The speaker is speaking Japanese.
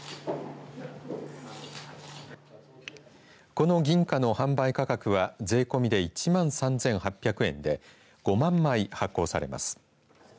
この銀貨の販売価格は税込みで１万３８００円で５万枚、発行されます。